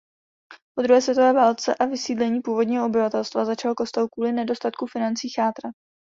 Po druhé světové válce a vysídlení původního obyvatelstva začal kostel kvůli nedostatku financí chátrat.